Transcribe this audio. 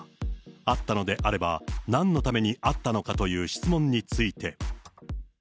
会ったのであれば、なんのために会ったのかという質問について。